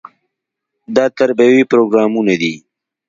دا تربیوي پروګرامونه دي.